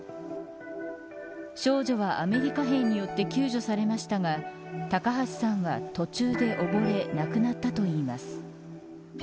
少女は、アメリカ兵によって救助されましたが高橋さんは途中で溺れ亡くなったといいます。